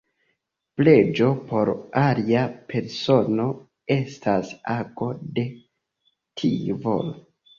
Preĝo por alia persono estas ago de tiu volo.